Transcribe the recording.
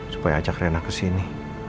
supaya ajak riana kesini